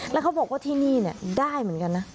แล้วเขาบอกว่าที่นี่ได้เหมือนกันนะ